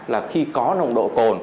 là khi có nồng độ cồn